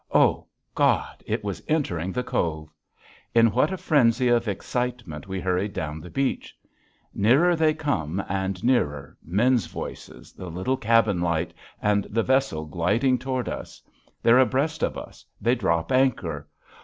Oh God! it was entering the cove. In what a frenzy of excitement we hurried down the beach! Nearer they come and nearer, men's voices, the little cabin light, and the vessel gliding toward us; they're abreast of us, they drop anchor.